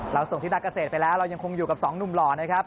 เราส่งที่ดากเศษไปแล้วเรายังคงอยู่กับ๒หนุ่มหล่อนะครับ